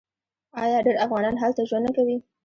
آیا ډیر افغانان هلته ژوند نه کوي؟